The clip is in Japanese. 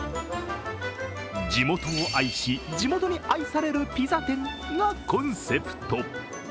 地元を愛し、地元に愛されるピザ店がコンセプト。